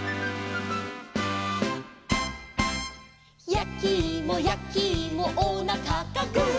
「やきいもやきいもおなかがグー」